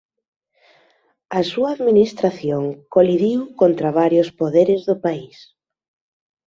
A súa administración colidiu contra varios poderes do país.